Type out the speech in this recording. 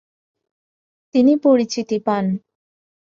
তিনি পরিচিতি পান।